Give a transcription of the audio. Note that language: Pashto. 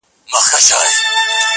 زما د ميني ليونيه، ستا خبر نه راځي,